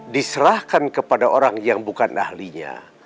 diserahkan kepada orang yang bukan ahlinya